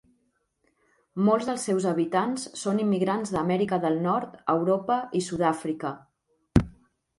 Molts dels seus habitants són immigrants d'Amèrica del Nord, Europa i Sudàfrica.